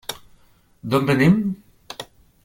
D'on venim?